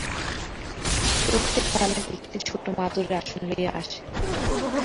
প্রত্যেক বালক একটি ছোট মাদুরের আসন লইয়া আসে।